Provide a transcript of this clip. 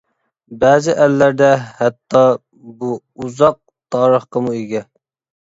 بەزى ئەللەردە ھەتتا بۇ ئۇزاق تارىخقىمۇ ئىگە.